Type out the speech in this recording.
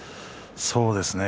そうですね。